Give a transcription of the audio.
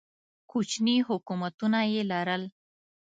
کوچني حکومتونه یې لرل